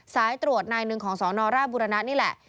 สายตรวจนายหนึ่งของสนราชบุรณะนี่แหละ